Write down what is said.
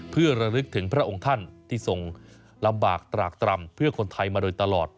เพื่อระลึกถึงพระองค์ท่านที่ทรงลำบากตรากตรำเพื่อคนไทยมาโดยตลอด